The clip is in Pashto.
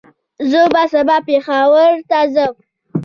زه به سبا پېښور ته ځم